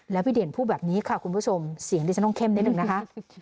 แล้วพี่เด่นพูดแบบนี้ค่ะคุณผู้ชมเสียงดิฉันต้องเข้มนิดนึงนะคะ